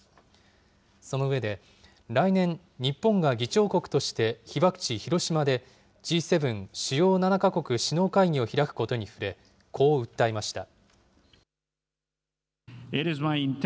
その上で、来年、日本が議長国として被爆地、広島でＧ７・主要７か国首脳会議を開くことに触れ、こう訴えました。